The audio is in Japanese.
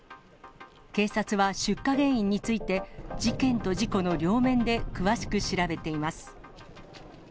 警察は出火原因について、事件と事故の両面で詳しく調べています。